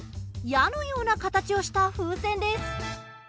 矢のような形をした風船です。